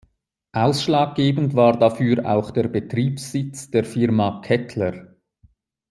Ausschlaggebend war dafür auch der Betriebssitz der Firma Kettler.